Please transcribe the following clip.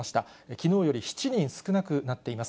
きのうより７人少なくなっています。